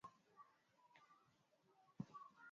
Kalemie iko na ma comune tatu